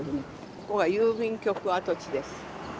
ここは郵便局跡地です。